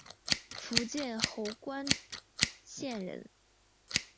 福建侯官县人。